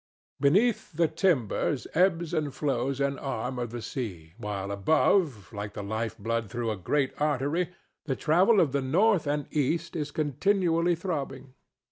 Beneath the timbers ebbs and flows an arm of the sea, while above, like the life blood through a great artery, the travel of the north and east is continually throbbing.